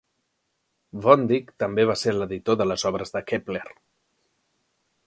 Von Dyck també va ser l'editor de les obres de Kepler.